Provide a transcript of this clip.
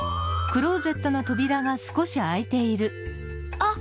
あっ！